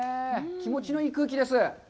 気持ちのいい空気です。